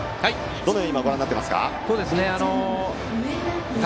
どのようにご覧になっていますか。